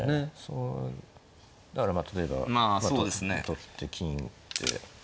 そうだからまあ例えば取って金打って。